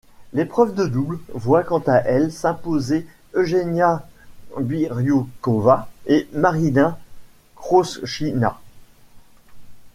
L'épreuve de double voit quant à elle s'imposer Eugenia Birioukova et Marina Kroschina.